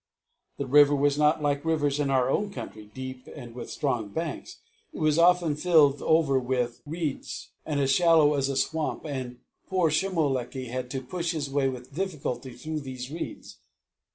The river was not like rivers in our own country, deep and with strong banks; it was often filled all over with reeds, and as shallow as a swamp, and poor Shomolekae had to push his way with difficulty through these reeds.